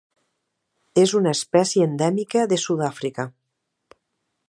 És una espècie endèmica de Sud-àfrica.